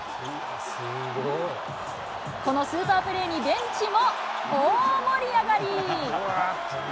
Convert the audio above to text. このスーパープレーにベンチも大盛り上がり。